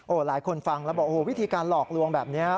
หลายคนฟังแล้วบอกโอ้โหวิธีการหลอกลวงแบบนี้